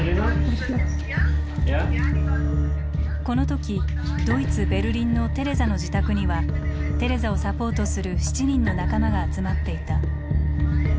この時ドイツベルリンのテレザの自宅にはテレザをサポートする７人の仲間が集まっていた。